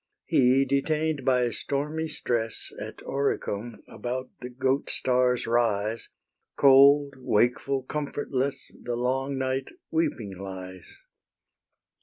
He, detain'd by stormy stress At Oricum, about the Goat star's rise, Cold, wakeful, comfortless, The long night weeping lies.